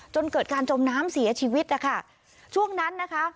จนเกิดการจมน้ำเสียชีวิตนะคะช่วงนั้นนะคะ